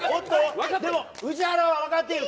宇治原は分かっている。